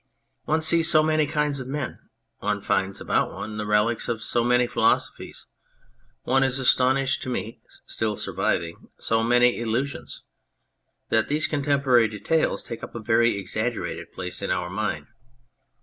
One sees so many kinds of men, one finds about one the relics of so many philosophies, one is astonished to meet, still surviving, so many illusions that these contemporary details take up a very exaggerated place in our mind.